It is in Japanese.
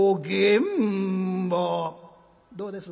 「どうです？